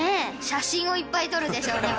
写真をいっぱい撮るでしょうね